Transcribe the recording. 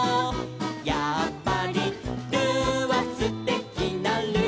「やっぱりルーはすてきなルー」